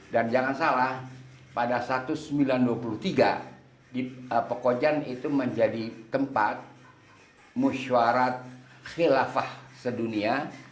dan jangan salah pada seribu sembilan ratus dua puluh tiga pekojan itu menjadi tempat musyarat khilafah sedunia